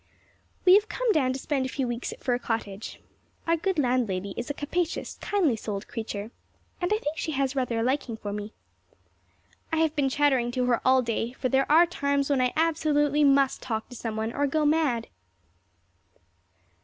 We have come down to spend a few weeks at Fir Cottage. Our good landlady is a capacious, kindly souled creature, and I think she has rather a liking for me. I have been chattering to her all day, for there are times when I absolutely must talk to someone or go mad.